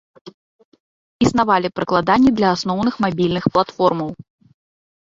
Існавалі прыкладанні для асноўных мабільных платформаў.